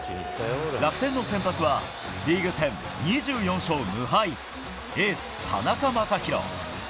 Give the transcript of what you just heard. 楽天の先発は、リーグ戦２４勝無敗、エース、田中将大。